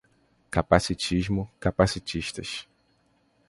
Capaticismo, capacitistas